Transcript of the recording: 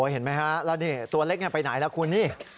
เห็นไหมฮะแล้วตัวเล็กนี่ไปไหนแล้วคุณนี่